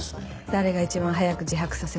誰が一番早く自白させられるか。